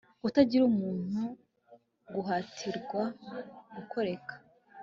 kutagira umuntu guhatirwa kugoreka